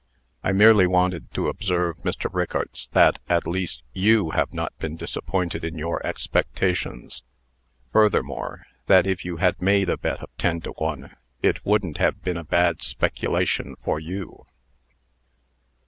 I merely wanted to observe, Mr. Rickarts, that, at least, you have not been disappointed in your expectations. Furthermore, that if you had made a bet of ten to one, it wouldn't have been a bad speculation for you."